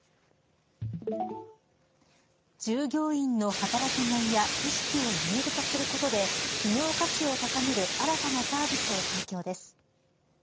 従業員の働きがいや意識を見える化することで企業価値を高める新たなサービスを提供です。